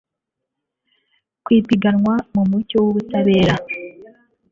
kw ipiganwa mu mucyo w ubutabera